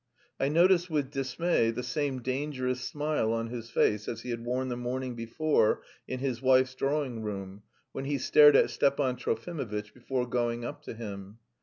I noticed with dismay the same dangerous smile on his face as he had worn the morning before, in his wife's drawing room, when he stared at Stepan Trofimovitch before going up to him.